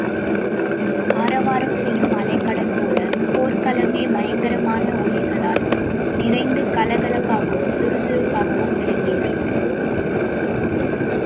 ஆரவாரம் செய்யும் அலைகடல் போலப் போர்க்களமே பயங்கரமான ஒலிகளால் நிறைந்து கலகலப்பாகவும் சுறுசுறுப்பாகவும் விளங்கியது.